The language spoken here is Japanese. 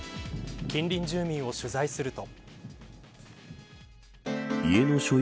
近隣住民を取材すると。